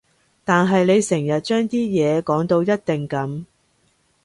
但係你成日將啲嘢講到一定噉